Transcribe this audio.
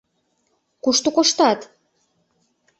Кушто коштат?